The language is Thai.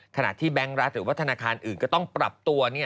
แบงค์รัฐหรือว่าธนาคารอื่นก็ต้องปรับตัว